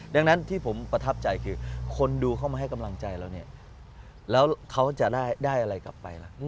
ดังนั้นที่ผมประทับใจคือคนดูเข้ามาให้กำลังใจเราเนี่ยแล้วเขาจะได้อะไรกลับไปล่ะ